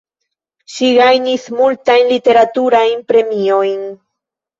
Ŝi gajnis multajn literaturajn premiojn.